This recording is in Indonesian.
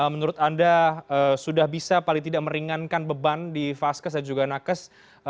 menurut anda sudah bisa paling tidak meringankan beban di vaskes dan juga nakes